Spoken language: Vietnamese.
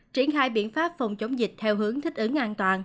triển khai biện pháp phòng chống dịch theo hướng thích ứng an toàn